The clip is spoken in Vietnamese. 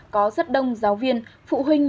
có rất đông giáo viên phụ huynh